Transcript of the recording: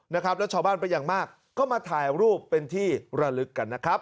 นะครับแล้วชาวบ้านไปอย่างมากก็มาถ่ายรูปเป็นที่ระลึกกันนะครับ